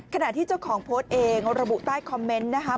ขณะที่เจ้าของโพสต์เองระบุใต้คอมเมนต์นะคะ